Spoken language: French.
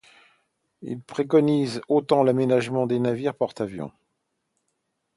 Il y préconise aussi l'aménagement des navires porte-avions.